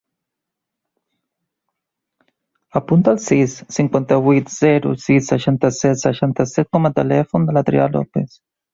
Apunta el sis, cinquanta-vuit, zero, sis, seixanta-set, seixanta-set com a telèfon de l'Adrià Lopes.